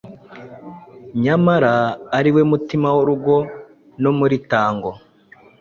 Nyamara ari we mutima w’urugo numurtango,